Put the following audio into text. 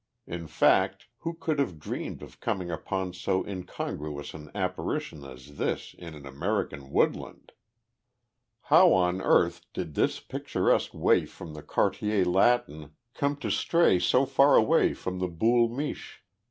In fact, who could have dreamed of coming upon so incongruous an apparition as this in an American woodland? How on earth did this picturesque waif from the Quartier Latin come to stray so far away from the Boul' Miche!